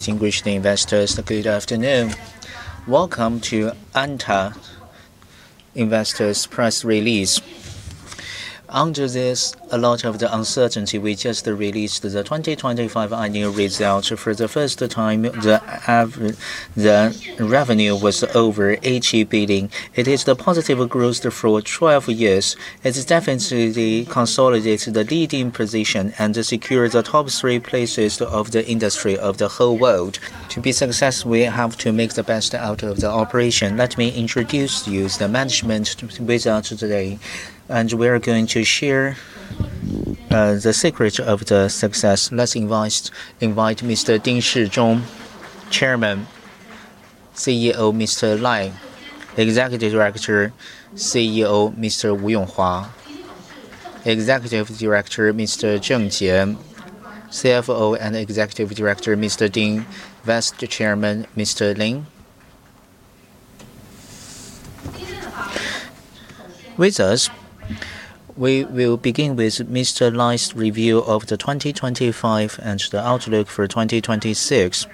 Distinguished investors, good afternoon. Welcome to ANTA investors press release. Under this, a lot of the uncertainty, we just released the 2025 annual results. For the first time, the revenue was over 80 billion. It is the positive growth for 12 years. It definitely consolidates the leading position and to secure the top three places of the industry of the whole world. To be successful, we have to make the best out of the operation. Let me introduce to you the management with us today, and we are going to share the secret of the success. Let's invite Mr. Ding Shizhong, Chairman. CEO, Mr. Lai. Executive Director, CEO, Mr. Wu Yonghua. Executive Director, Mr. Zheng Jie. CFO and Executive Director, Mr. Bi. Vice Chairman, Mr. Lin. With us, we will begin with Mr. Lai's review of the 2025 and the outlook for 2026.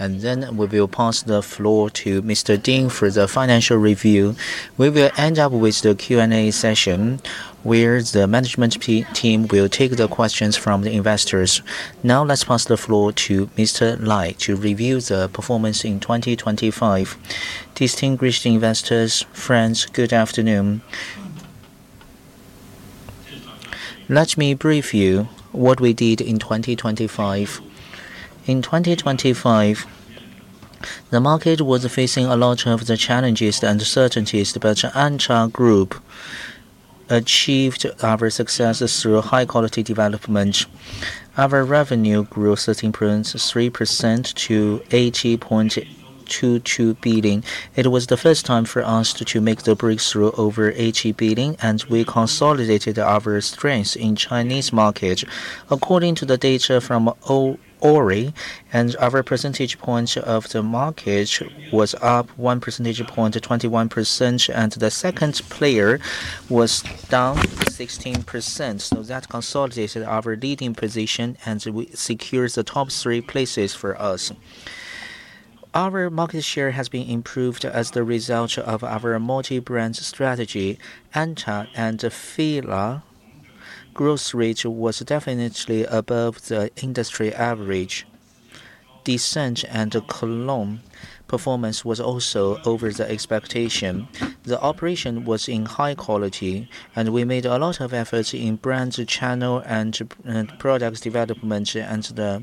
We will pass the floor to Mr. Ding for the financial review. We will end with the Q&A session, where the management team will take the questions from the investors. Now, let's pass the floor to Mr. Lai to review the performance in 2025. Distinguished investors, friends, good afternoon. Let me brief you on what we did in 2025. In 2025, the market was facing a lot of the challenges and uncertainties, but Anta Group achieved our successes through high-quality development. Our revenue grew 13.3% to 80.22 billion. It was the first time for us to make the breakthrough over 80 billion, and we consolidated our strengths in Chinese market. According to the data from Euromonitor, our percentage point of the market was up 1 percentage point, 21%, and the second player was down 16%, so that consolidated our leading position, and we secured the top three places for us. Our market share has been improved as the result of our multi-brand strategy. ANTA and FILA growth rate was definitely above the industry average. DESCENTE and KOLON performance was also over the expectation. The operation was in high quality, and we made a lot of efforts in brand channel and products development, and the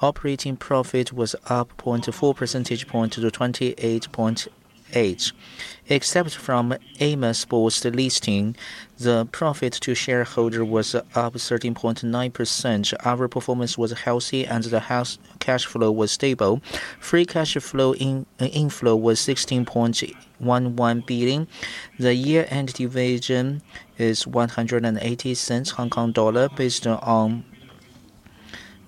operating profit was up 0.4 percentage point to 28.8%. Except for Amer Sports listing, the profit to shareholder was up 13.9%. Our performance was healthy and the operating cash flow was stable. Free cash flow inflow was 16.11 billion. The year-end dividend is 1.80 Hong Kong dollar based on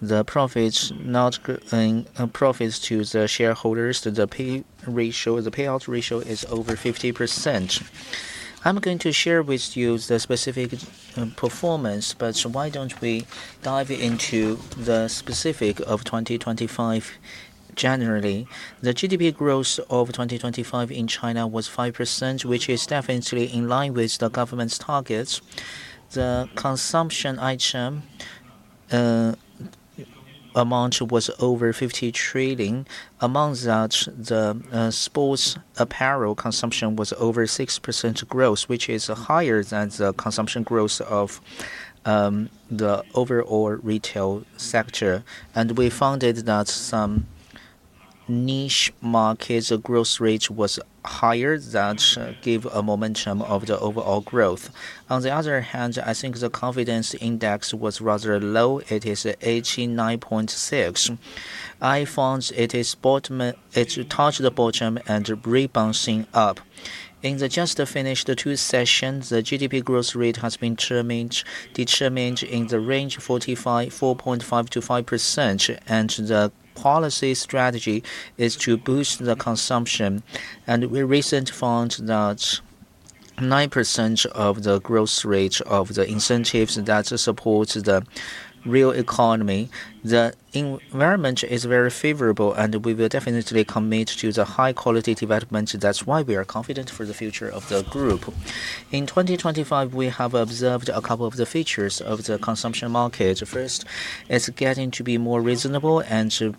the profits, not in profits to the shareholders. The payout ratio is over 50%. I'm going to share with you the specific performance, but why don't we dive into the specifics of 2025. Generally, the GDP growth of 2025 in China was 5%, which is definitely in line with the government's targets. The consumption amount was over 50 trillion. Among that, the sports apparel consumption was over 6% growth, which is higher than the consumption growth of the overall retail sector. We found that some niche markets, the growth rate was higher. That give a momentum of the overall growth. On the other hand, I think the confidence index was rather low. It is 89.6%. I found it touched the bottom and is rebounding up. In the just finished two sessions, the GDP growth rate has been determined in the range 4.5%-5%, and the policy strategy is to boost the consumption. We recently found that 9% of the growth rate of the incentives that support the real economy. The environment is very favorable, and we will definitely commit to the high-quality development. That's why we are confident for the future of the group. In 2025, we have observed a couple of features of the consumption market. First, it's getting to be more reasonable, so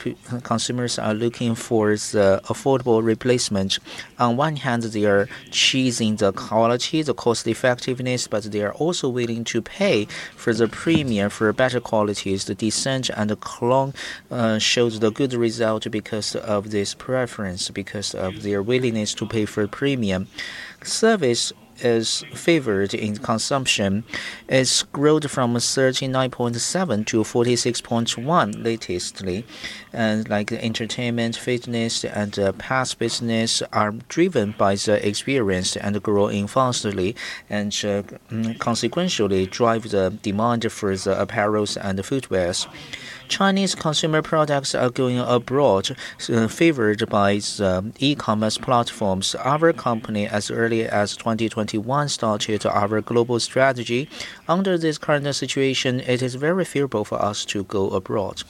consumers are looking for the affordable replacement. On one hand, they are choosing the quality, the cost-effectiveness, but they are also willing to pay for the premium for better qualities. The DESCENTE and the KOLON SPORT show good results because of this preference, because of their willingness to pay for premium. Service is favored in consumption. It's grown from 39.7% to 46.1% lately. Like entertainment, fitness, and spa business are driven by the experience and growing faster and consequently drive the demand for the apparel and the footwear. Chinese consumer products are going abroad, favored by the e-commerce platforms. Our company, as early as 2021, started our global strategy. Under this current situation, it is very favorable for us to go abroad.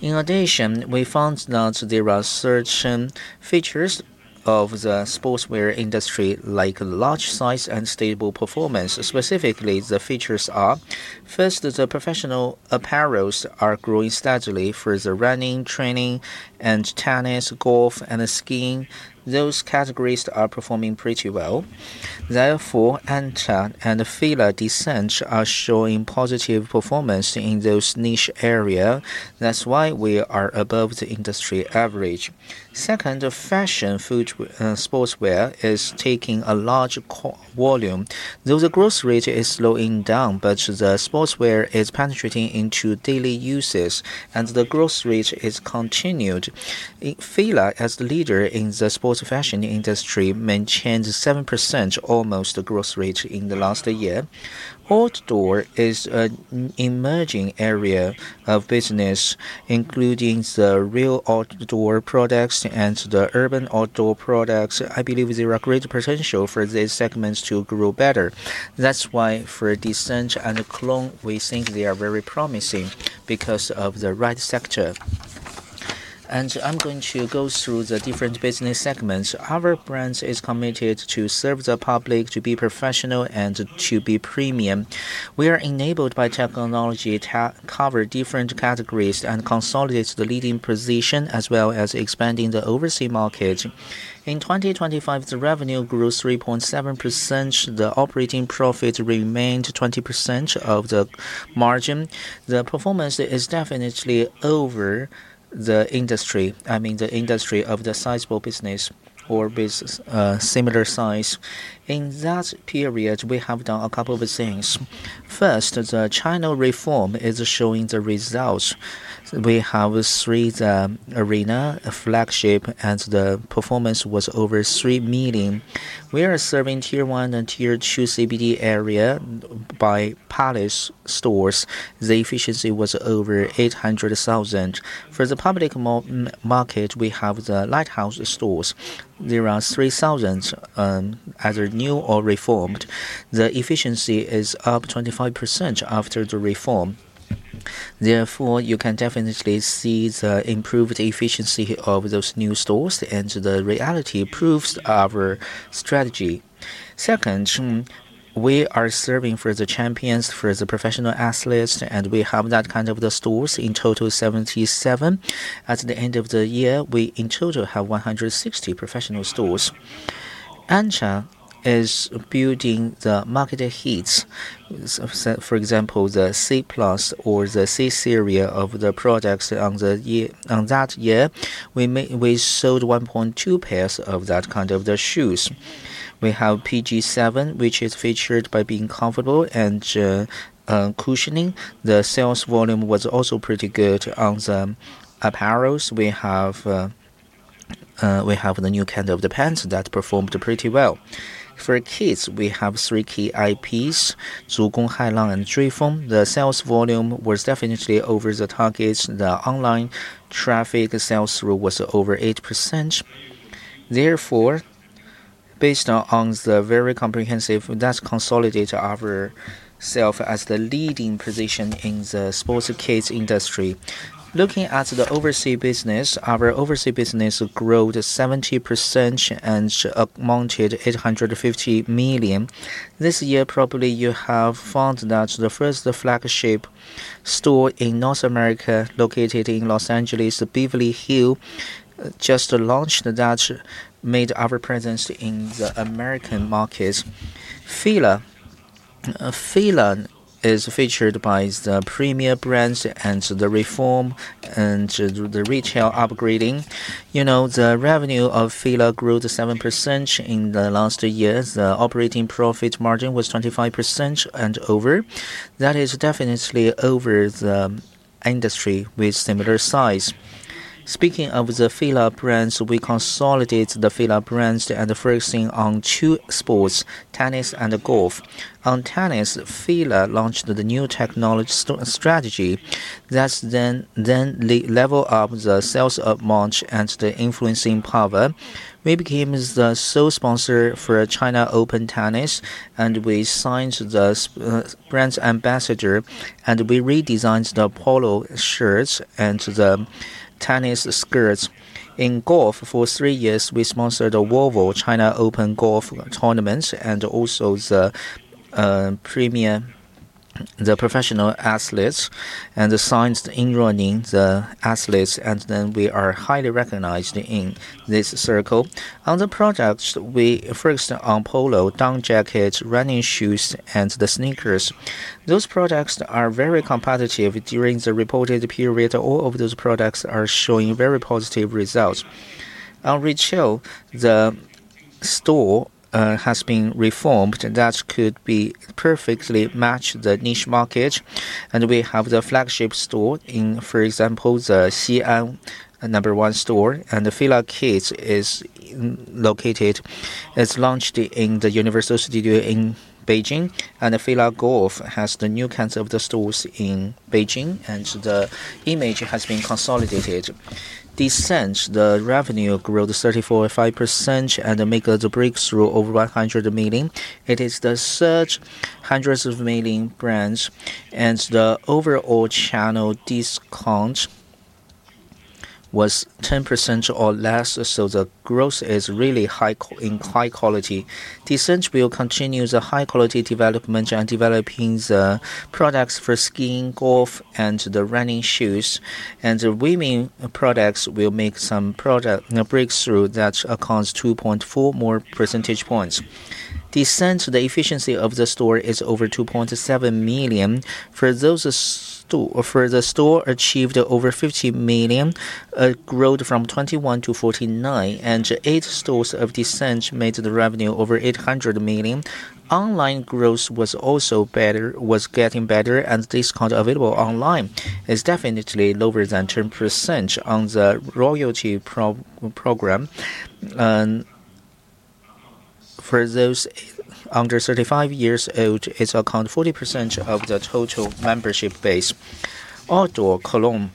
In addition, we found that there are certain features of the sportswear industry like large scale and stable performance. Specifically, the features are. First, the professional apparel is growing steadily for the running, training, and tennis, golf, and skiing. Those categories are performing pretty well. Therefore, ANTA and FILA, DESCENTE are showing positive performance in those niche area. That's why we are above the industry average. Second, sportswear is taking a large volume, though the growth rate is slowing down, but the sportswear is penetrating into daily uses and the growth rate is continued. FILA, as the leader in the sports fashion industry, maintained almost 7% growth rate in the last year. Outdoor is an emerging area of business, including the real outdoor products and the urban outdoor products. I believe there are great potential for these segments to grow better. That's why for DESCENTE and KOLON SPORT, we think they are very promising because of the right sector. I'm going to go through the different business segments. Our brand is committed to serve the public, to be professional, and to be premium. We are enabled by technology to cover different categories and consolidate the leading position, as well as expanding the overseas market. In 2025, the revenue grew 3.7%. The operating profit remained 20% of the margin. The performance is definitely over the industry, I mean, the industry of the sizable business or similar size. In that period, we have done a couple of things. First, the channel reform is showing the results. We have three Arena flagship stores, and the performance was over 3 million. We are serving Tier 1 and Tier 2 CBD areas by Palace stores. The efficiency was over 800,000. For the public market, we have the lighthouse stores. There are 3,000 either new or reformed. The efficiency is up 25% after the reform. Therefore, you can definitely see the improved efficiency of those new stores, and the reality proves our strategy. Second, we are serving for the champions, for the professional athletes, and we have that kind of the stores, in total, 77. At the end of the year, we in total have 160 professional stores. ANTA is building the market hits. For example, the C Plus or the C Series of the products on the year, on that year, we sold 1.2 pairs of that kind of the shoes. We have PG7, which is featured by being comfortable and cushioning. The sales volume was also pretty good. On the apparels, we have the new kind of the pants that performed pretty well. For kids, we have three key IPs, Zhugong, Hailang and Zuifeng. The sales volume was definitely over the target. The online traffic sales through was over 8%. Therefore, based on the very comprehensive, that consolidates ourselves as the leading position in the sports kids industry. Looking at the overseas business, our overseas business growth 70% and amounted 850 million. This year, probably you have found that the first flagship store in North America, located in Los Angeles, Beverly Hills, just launched that made our presence in the American markets. FILA. FILA is featured by the premier brands and the reform and the retail upgrading. You know, the revenue of FILA grew 7% in the last year. The operating profit margin was 25% and over. That is definitely over the industry with similar size. Speaking of the FILA brands, we consolidate the FILA brands and focusing on two sports, tennis and golf. On tennis, FILA launched the new technology strategy that then level up the sales amount and the influencing power. We became the sole sponsor for China Open, and we signed the brand ambassador, and we redesigned the polo shirts and the tennis skirts. In golf, for three years, we sponsored the Volvo China Open golf tournament and also the professional athletes and signed Yin Ruoning, the athletes, and then we are highly recognized in this circle. On the products, we focused on polo, down jackets, running shoes, and the sneakers. Those products are very competitive. During the reported period, all of those products are showing very positive results. On retail, the store has been reformed. That could perfectly match the niche market. We have the flagship store in, for example, the CN number one store, and the FILA Kids is located... It's launched in the Universal Studios in Beijing, and the FILA Golf has the new kinds of the stores in Beijing, and the image has been consolidated. DESCENTE, the revenue grew 34.5% and make the breakthrough over 100 million. It is the such hundreds of million brands and the overall channel discount was 10% or less, so the growth is really in high quality. DESCENTE will continue the high quality development and developing the products for skiing, golf, and the running shoes. The women products will make some product, you know, breakthrough that accounts 2.4 more percentage points. DESCENTE, the efficiency of the store is over 2.7 million. For those stores for the store achieved over 50 million growth from 21 to 49, and eight stores of DESCENTE made the revenue over 800 million. Online growth was getting better and discount available online is definitely lower than 10% on the loyalty program. For those under 35 years old, it accounts for 40% of the total membership base. Outdoor Kolon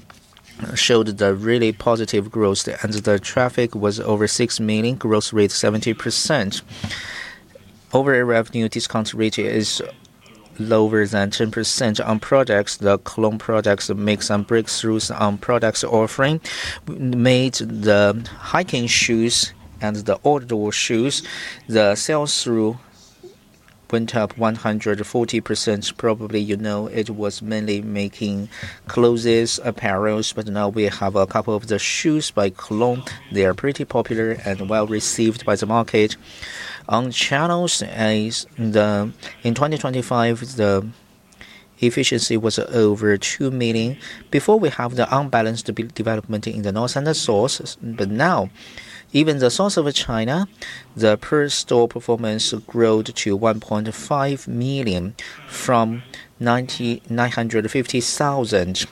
showed a really positive growth, and the traffic was over 6 million, growth rate 70%. Overall revenue discount rate is lower than 10% on products. The Kolon products make some breakthroughs on product offering. Made the hiking shoes and the outdoor shoes, the sales through went up 140%. Probably, you know, it was mainly making clothes, apparel, but now we have a couple of the shoes by KOLON. They are pretty popular and well-received by the market. Kolon channels in 2025, the efficiency was over 2 million. Before we have the unbalanced development in the north and the south, but now, even the south of China, the per store performance growth to 1.5 million from 995,000.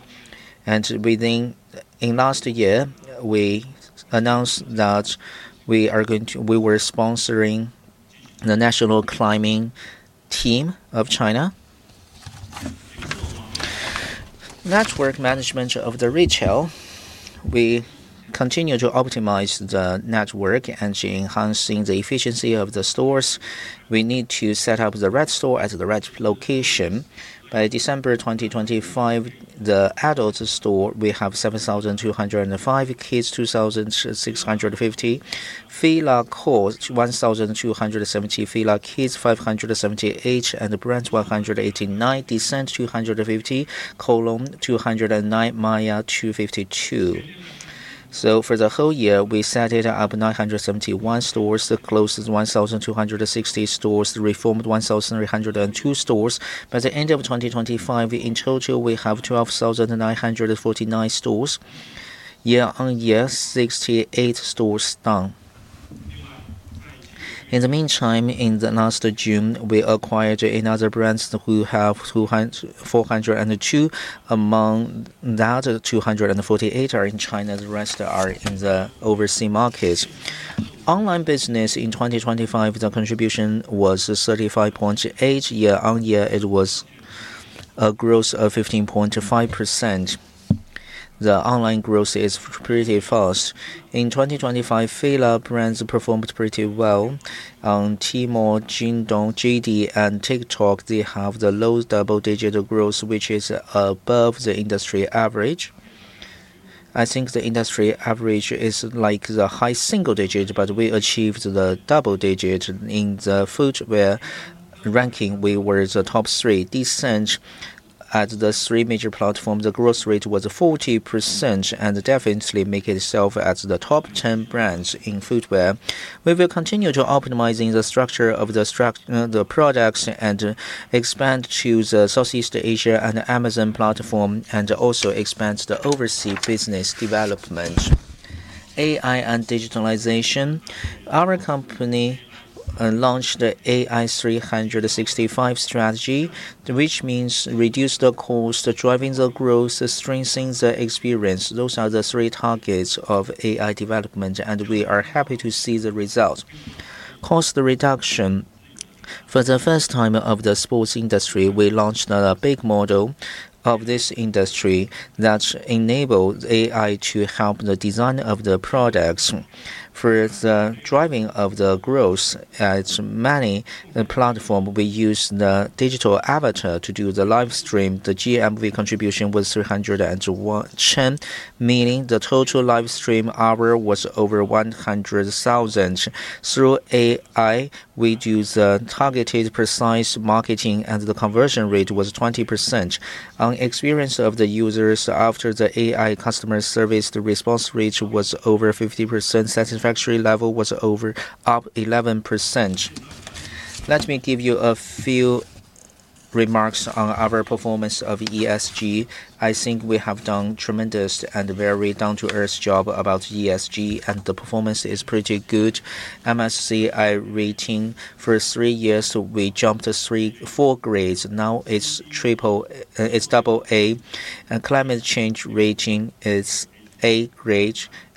Within last year, we announced that we were sponsoring the national climbing team of China. Network management of the retail, we continue to optimize the network and enhancing the efficiency of the stores. We need to set up the right store at the right location. By December 2025, the adult store, we have 7,205, kids, 2,650. FILA core, 1,270, FILA Kids, 578, and brands, 189, DESCENTE, 250, KOLON SPORT, 209, MAIA ACTIVE, 252. For the whole year, we set up 971 stores, closed 1,260 stores, reformed 1,302 stores. By the end of 2025, in total, we have 12,949 stores. Year-on-year, 68 stores down. In the meantime, in the last June, we acquired another brands who have 402. Among that, 248 are in China, the rest are in the overseas markets. Online business in 2025, the contribution was 35.8%. Year-on-year, it was a growth of 15.5%. The online growth is pretty fast. In 2025, FILA brands performed pretty well. On Tmall, Jingdong, JD and TikTok, they have the low double-digit growth, which is above the industry average. I think the industry average is like the high single digit, but we achieved the double digit. In the footwear ranking, we were the top three. DESCENTE on the three major platforms, the growth rate was 40% and definitely made itself as the top 10 brands in footwear. We will continue to optimizing the structure of the products and expand to the Southeast Asia and Amazon platform and also expand the overseas business development. AI and digitalization. Our company launched the AI365 strategy, which means reduce the cost, driving the growth, strengthening the experience. Those are the three targets of AI development, and we are happy to see the results. Cost reduction. For the first time of the sports industry, we launched a big model of this industry that enabled AI to help the design of the products. For the driving of the growth on many platforms, we use the digital avatar to do the live stream. The GMV contribution was 300 and change, meaning the total live stream hours was over 100,000. Through AI, we do the targeted precise marketing and the conversion rate was 20%. On the experience of the users after the AI customer service, the response rate was over 50%. Satisfaction level was up 11%. Let me give you a few remarks on our performance of ESG. I think we have done tremendous and very down-to-earth job about ESG, and the performance is pretty good. MSCI rating for three years, we jumped three to four grades. Now it's AA. Climate change rating is A,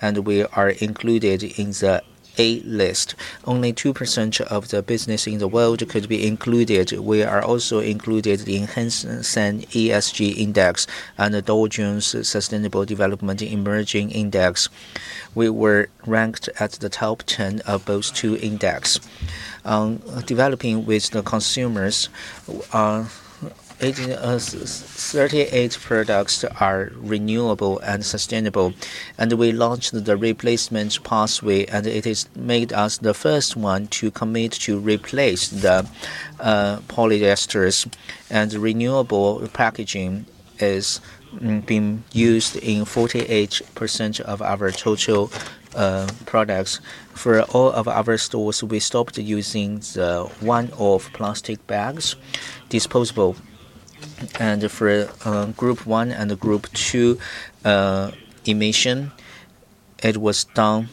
and we are included in the A List. Only 2% of the business in the world could be included. We are also included in Hang Seng ESG Index and the Dow Jones Sustainability Emerging Markets Index. We were ranked at the top 10 of those two index. Developing with the consumers are 38 products are renewable and sustainable. We launched the replacement pathway, and it has made us the first one to commit to replace the polyesters. Renewable packaging is being used in 48% of our total products. For all of our stores, we stopped using the one-off plastic bags, disposable. For Scope 1 and Scope 2 emissions, it was down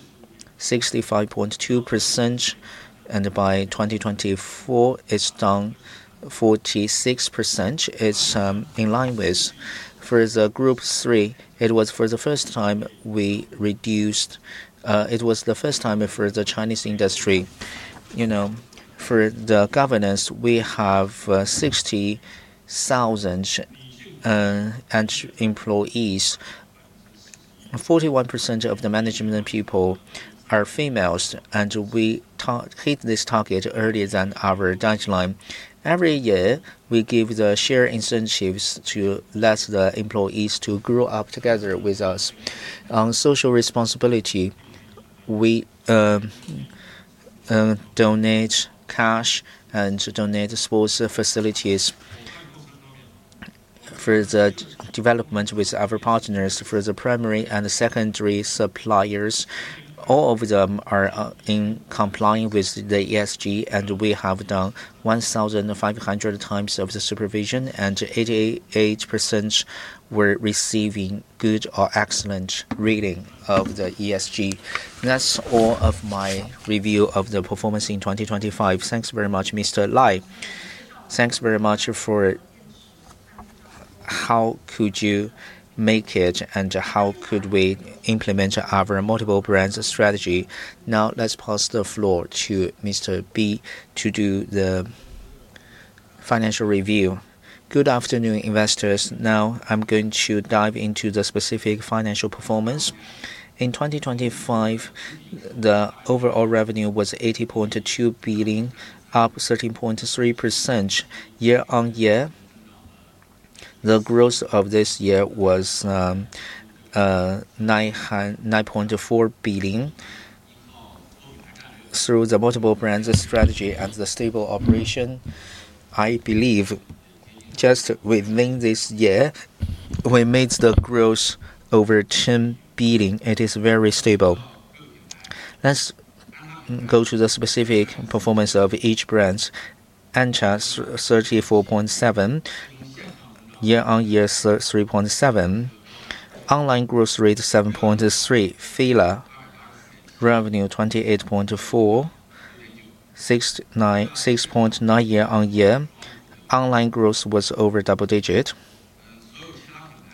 65.2%, and by 2024, it's down 46%. It's in line with. For the Scope 3, it was for the first time we reduced. It was the first time for the Chinese industry. You know, for the governance, we have 60,000 employees. 41% of the management people are females, and we hit this target earlier than our deadline. Every year, we give the share incentives to let the employees to grow up together with us. On social responsibility, we donate cash and donate sports facilities. For the development with our partners, for the primary and secondary suppliers, all of them are in complying with the ESG, and we have done 1,500 times of the supervision, and 88% were receiving good or excellent rating of the ESG. That's all of my review of the performance in 2025. Thanks very much, Mr. Lai. How could you make it and how could we implement our multiple brands strategy. Now, let's pass the floor to Mr. Bi to do the financial review. Good afternoon, investors. I'm going to dive into the specific financial performance. In 2025, the overall revenue was 80.2 billion, up 13.3% year-on-year. The growth of this year was 9.4 billion. Through the multiple brands strategy and the stable operation, I believe just within this year, we made the growth over 10 billion. It is very stable. Let's go to the specific performance of each brand. ANTA, CNY 34.7 billion, year-on-year, 3.7%. Online growth rate, 7.3%. FILA, revenue CNY 28.4 billion, 6.9% year-on-year. Online growth was over double digit.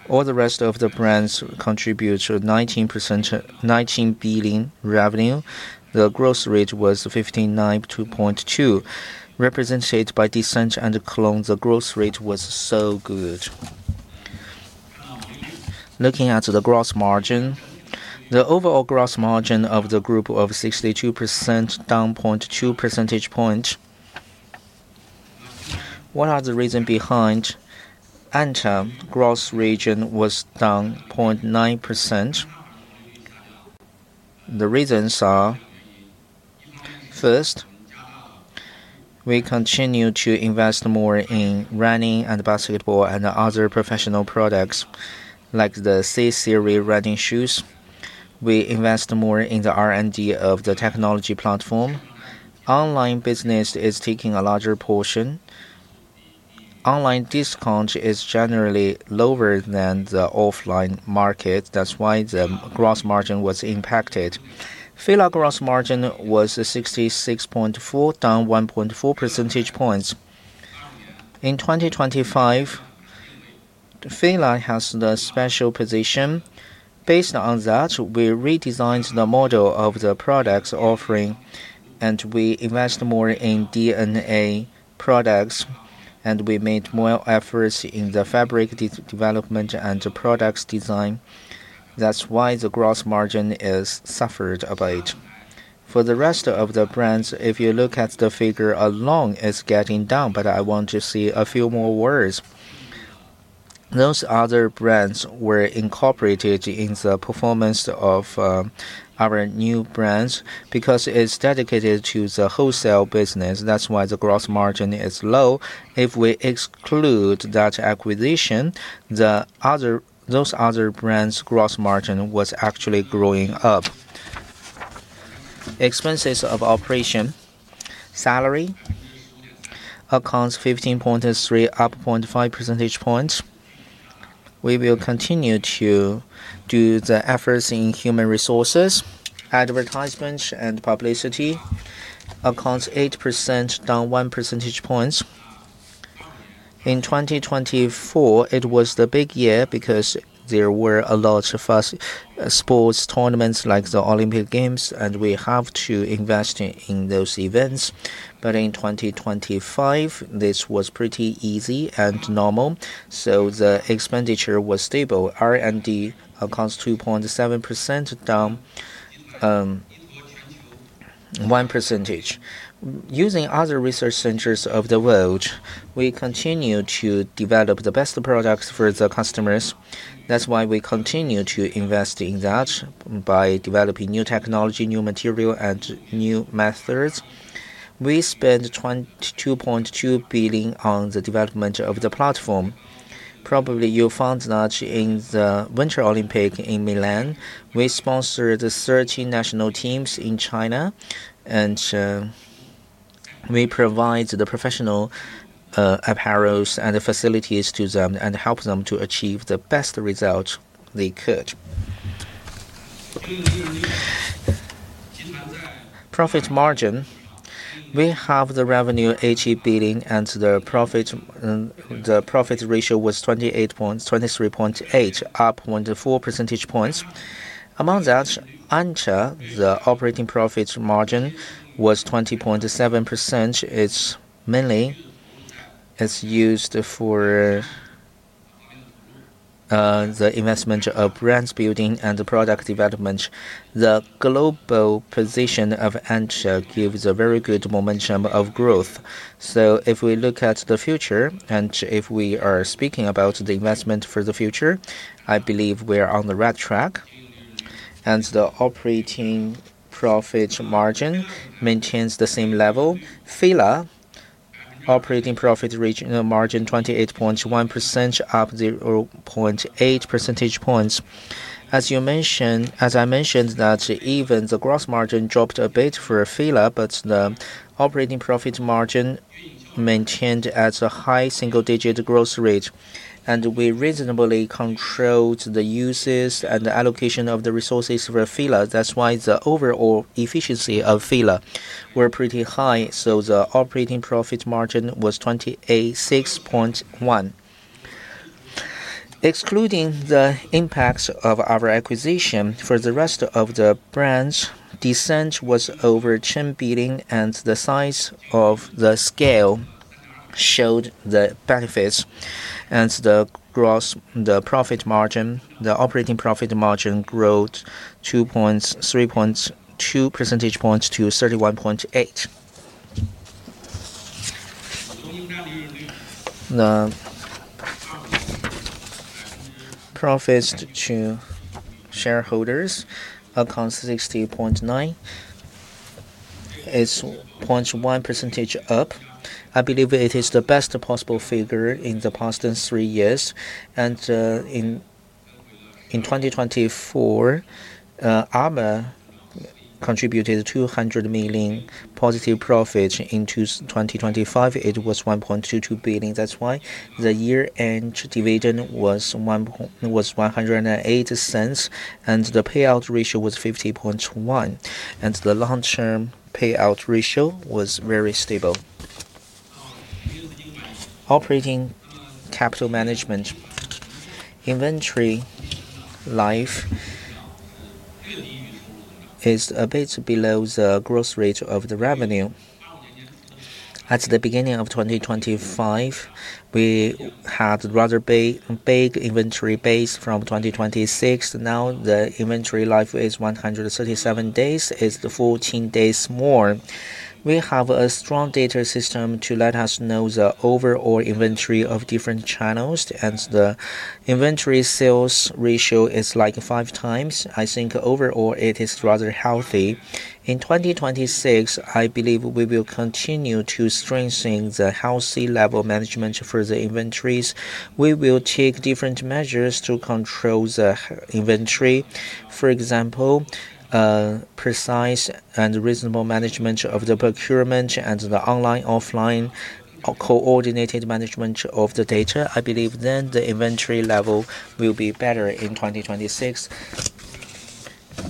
All the rest of the brands contribute to 19%, 19 billion revenue. The growth rate was 59.2%. Represented by DESCENTE and KOLON SPORT, the growth rate was so good. Looking at the gross margin, the overall gross margin of the group of 62%, down 0.2 percentage point. What are the reason behind? ANTA gross margin was down 0.9%. The reasons are, first, we continue to invest more in running and basketball and other professional products like the C Series running shoes. We invest more in the R&D of the technology platform. Online business is taking a larger portion. Online discount is generally lower than the offline market. That's why the gross margin was impacted. FILA gross margin was 66.4, down 1.4 percentage points. In 2025, FILA has the special position. Based on that, we redesigned the model of the products offering, and we invest more in DNA products, and we made more efforts in the fabric development and the products design. That's why the gross margin is suffered a bit. For the rest of the brands, if you look at the figure alone, it's getting down, but I want to say a few more words. Those other brands were incorporated in the performance of our new brands because it's dedicated to the wholesale business. That's why the gross margin is low. If we exclude that acquisition, those other brands' gross margin was actually growing up. Expenses of operation. Salary accounts 15.3%, up 0.5 percentage points. We will continue to do the efforts in human resources. Advertisements and publicity accounts 8%, down 1 percentage points. In 2024, it was the big year because there were a lot of sports tournaments like the Olympic Games, and we have to invest in those events. In 2025, this was pretty easy and normal, so the expenditure was stable. R&D accounts 2.7%, down one percentage. Using other research centers of the world, we continue to develop the best products for the customers. That's why we continue to invest in that by developing new technology, new material, and new methods. We spent 22.2 billion on the development of the platform. Probably you found that in the Winter Olympics in Milan, we sponsored 13 national teams in China, and we provide the professional apparel and the facilities to them and help them to achieve the best result they could. Profit margin, we have the revenue 80 billion and the profit, the profit ratio was 23.8, up 1-4 percentage points. Among that, ANTA, the operating profit margin was 20.7%. It's mainly is used for the investment of brands building and the product development. The global position of ANTA gives a very good momentum of growth. If we look at the future, and if we are speaking about the investment for the future, I believe we are on the right track and the operating profit margin maintains the same level. FILA operating profit margin 28.1%, up 0.8 percentage points. As I mentioned, that even the gross margin dropped a bit for FILA, but the operating profit margin maintained at a high single-digit growth rate. We reasonably controlled the uses and the allocation of the resources for FILA. That's why the overall efficiency of FILA were pretty high, so the operating profit margin was 28.61%. Excluding the impacts of our acquisition, for the rest of the brands, DESCENTE was over 10% beating, and the size of the scale showed the benefits. The profit margin, the operating profit margin growth 2.3 percentage points to 31.8%. The profits to shareholders accounted for 60.9%. It's 0.1 percentage points up. I believe it is the best possible figure in the past three years. In 2024, Amer contributed 200 million positive profits. In 2025, it was 1.22 billion. That's why the year-end dividend was 1 point... was HK$1.08, and the payout ratio was 50.1%. The long-term payout ratio was very stable. Operating capital management. Inventory life is a bit below the growth rate of the revenue. At the beginning of 2025, we had a rather big inventory base from 2024. Now, the inventory life is 137 days. It's 14 days more. We have a strong data system to let us know the overall inventory of different channels and the inventory sales ratio is like five times. I think overall it is rather healthy. In 2026, I believe we will continue to strengthen the healthy level management for the inventories. We will take different measures to control the high inventory. For example, precise and reasonable management of the procurement and the online/offline O2O-coordinated management of the data. I believe the inventory level will be better in 2026.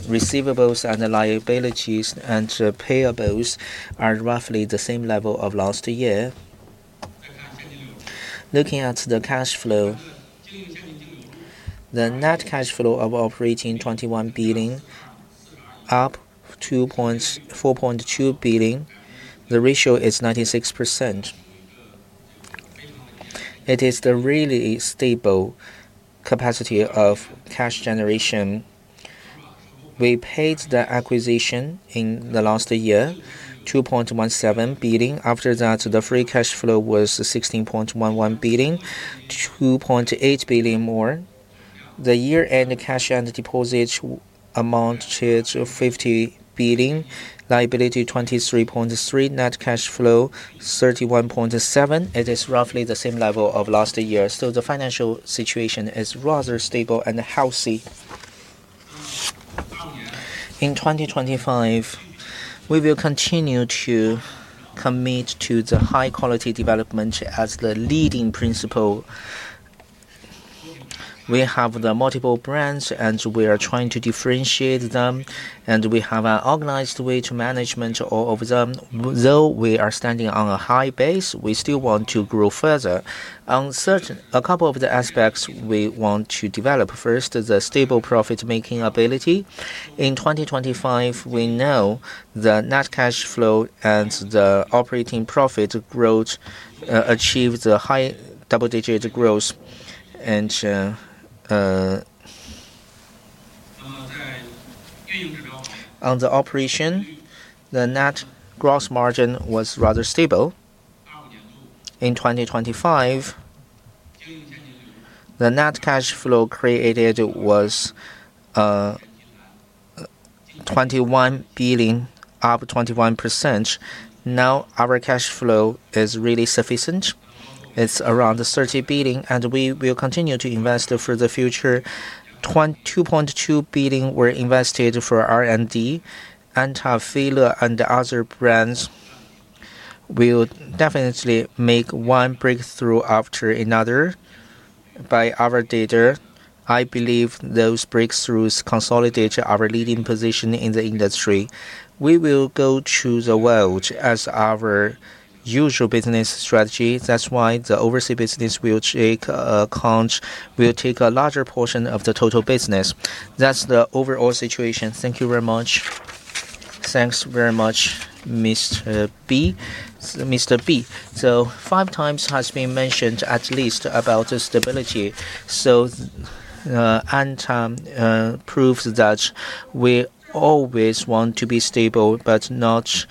Receivables and liabilities and payables are roughly the same level of last year. Looking at the cash flow, the net cash flow from operating activities 21 billion, up 4.2 billion. The ratio is 96%. It is the really stable capacity of cash generation. We paid for the acquisition in the last year, 2.17 billion. After that, the free cash flow was 16.11 billion, 2.8 billion more. The year-end cash and deposits amount to 50 billion, liability 23.3, net cash 31.7. It is roughly the same level of last year. The financial situation is rather stable and healthy. In 2025, we will continue to commit to the high quality development as the leading principle. We have multiple brands and we are trying to differentiate them, and we have an organized way to manage all of them. Though we are standing on a high base, we still want to grow further. On a couple of aspects we want to develop. First, the stable profit-making ability. In 2025, we know the net cash flow and the operating profit growth achieved a high double-digit growth. On the operation, the net gross margin was rather stable. In 2025, the net cash flow created was 21 billion, up 21%. Now our cash flow is really sufficient. It's around 30 billion, and we will continue to invest for the future. 2.2 billion were invested for R&D. ANTA, FILA and the other brands will definitely make one breakthrough after another. By our data, I believe those breakthroughs consolidate our leading position in the industry. We will go to the world as our usual business strategy. That's why the overseas business will take a larger portion of the total business. That's the overall situation. Thank you very much. Thanks very much, Mr. Bi. Five times has been mentioned, at least about the stability. ANTA proves that we always want to be stable, but not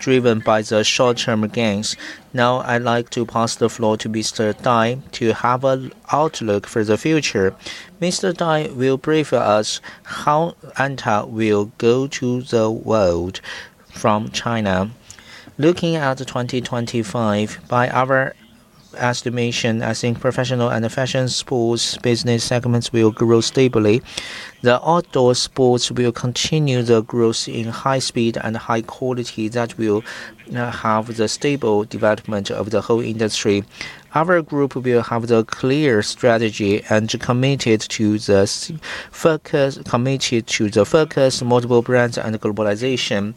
driven by the short-term gains. Now, I'd like to pass the floor to Mr. Dai to have an outlook for the future. Mr. Dai will brief us how ANTA will go to the world from China. Looking at 2025, by our estimation, I think professional and fashion sports business segments will grow stably. The outdoor sports will continue the growth in high speed and high quality that will have the stable development of the whole industry. Our group will have the clear strategy and committed to the focus, multiple brands and globalization.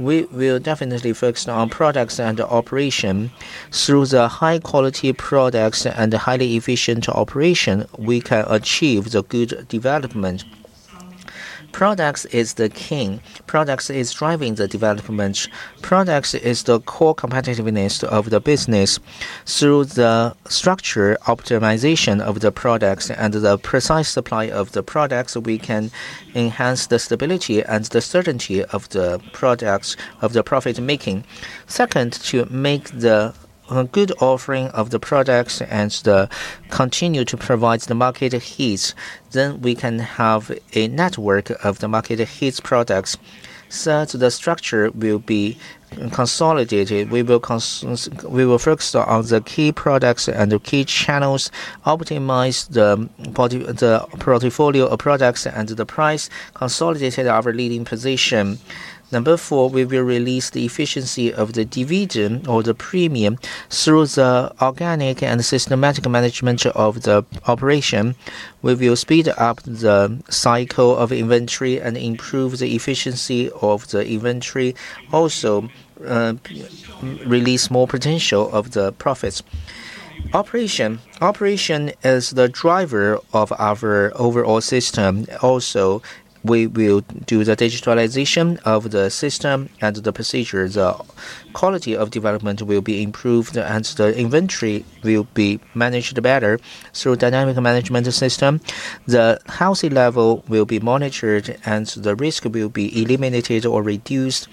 We will definitely focus on products and operation. Through the high quality products and highly efficient operation, we can achieve the good development. Products is the king. Products is driving the development. Products is the core competitiveness of the business. Through the structure optimization of the products and the precise supply of the products, we can enhance the stability and the certainty of the products, of the profit making. Second, to make the good offering of the products and continue to provide the market hits, then we can have a network of the market hits products. The structure will be consolidated. We will focus on the key products and the key channels, optimize the portfolio of products and the price, consolidated our leading position. Number four, we will release the efficiency of the division or the premium through the organic and systematic management of the operation. We will speed up the cycle of inventory and improve the efficiency of the inventory. Also, release more potential of the profits. Operation is the driver of our overall system. Also, we will do the digitalization of the system and the procedure. The quality of development will be improved and the inventory will be managed better through dynamic management system. The healthy level will be monitored and the risk will be eliminated or reduced.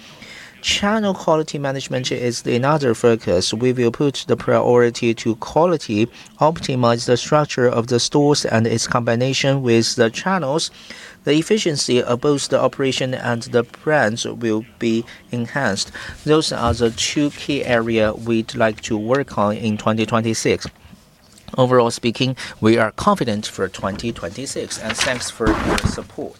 Channel quality management is another focus. We will put the priority to quality, optimize the structure of the stores and its combination with the channels. The efficiency of both the operation and the brands will be enhanced. Those are the two key area we'd like to work on in 2026. Overall speaking, we are confident for 2026 and thanks for your support.